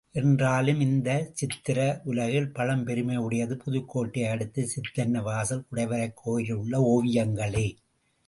என்றாலும் இந்தச் சித்திர உலகில் பழம் பெருமையுடையது புதுக்கோட்டையை அடுத்த சித்தன்னவாசல் குடைவரைக் கோயிலில் உள்ள ஓவியங்களே.